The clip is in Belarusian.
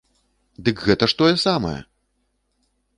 Дык гэта ж тое самае!